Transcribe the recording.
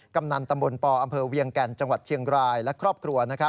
กำนันตำบลปอำเภอเวียงแก่นจังหวัดเชียงรายและครอบครัว